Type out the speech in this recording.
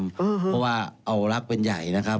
เพราะว่าเอารักเป็นใหญ่นะครับ